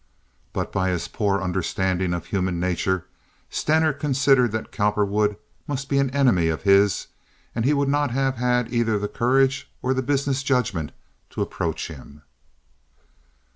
But by his poor understanding of human nature, Stener considered that Cowperwood must be an enemy of his, and he would not have had either the courage or the business judgment to approach him.